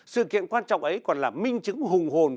sự kiện quan trọng ấy còn là minh chứng hùng hồn